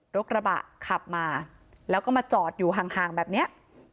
รถกระบะขับมาแล้วก็มาจอดอยู่ห่างแบบนี้